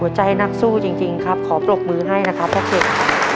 ใจนักสู้จริงครับขอปรบมือให้นะครับพ่อเข็ด